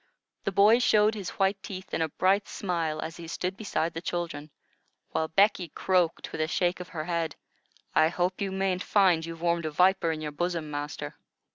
The boy showed his white teeth in a bright smile as he stood beside the children, while Becky croaked, with a shake of the head: "I hope you mayn't find you've warmed a viper in your bosom, master."